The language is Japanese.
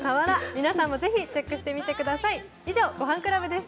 皆さんもぜひチェックしてみてください。